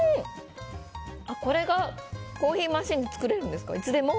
これがコーヒーマシンで作れるんですか。